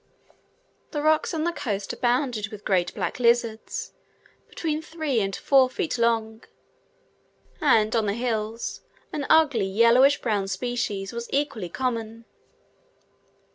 The rocks on the coast abounded with great black lizards, between three and four feet long; and on the hills, an ugly yellowish brown species was equally common.